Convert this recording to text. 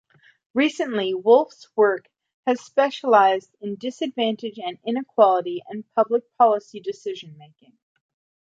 Recently, Wolff's work has specialized in disadvantage and equality and public policy decision making.